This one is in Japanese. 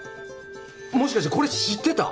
もしかしてこれ知ってた？